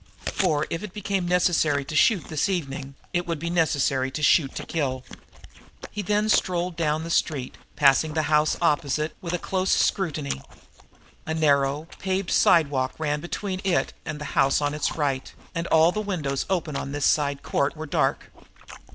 For, if it became necessary to shoot this evening, it would be necessary to shoot to kill. He then strolled down the street, passing the house opposite, with a close scrutiny. A narrow, paved sidewalk ran between it and the house on its right, and all the windows opening on this small court were dark.